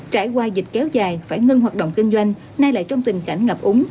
trải qua dịch kéo dài phải ngưng hoạt động kinh doanh nay lại trong tình cảnh ngập úng